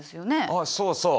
あそうそう。